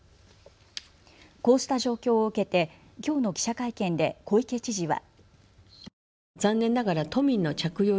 こうした状況を受けてきょうの記者会見で小池知事は。